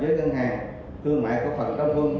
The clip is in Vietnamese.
với ngân hàng thương mại của phần trong hương